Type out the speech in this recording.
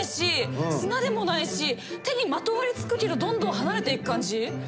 手にまとわりつくけどどんどん離れていく感じ。